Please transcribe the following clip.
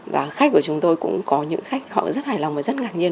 và khách của chúng tôi cũng có những khách họ rất hài lòng và rất ngạc nhiên